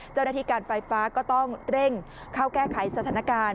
เจ้าหน้าที่การไฟฟ้าก็ต้องเร่งเข้าแก้ไขสถานการณ์